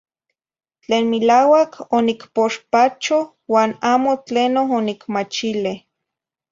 Tlen milauac onicpoxpacho uan amo tleno onicmachile.